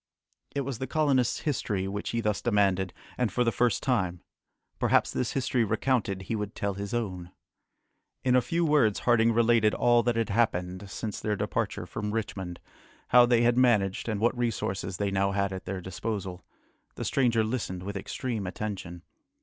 It was the colonists' history which he thus demanded, and for the first time. Perhaps this history recounted, he would tell his own. [Illustration: HE SEIZED THE JAGUAR'S THROAT WITH ONE POWERFUL HAND] In a few words Harding related all that had happened since their departure from Richmond; how they had managed, and what resources they now had at their disposal. The stranger listened with extreme attention.